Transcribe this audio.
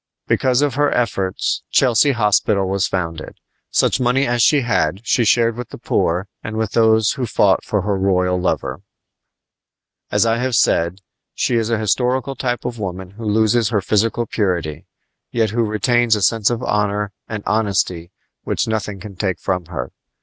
Because of her efforts Chelsea Hospital was founded. Such money as she had she shared with the poor and with those who had fought for her royal lover. As I have said, she is a historical type of the woman who loses her physical purity, yet who retains a sense of honor and of honesty which nothing can take from her.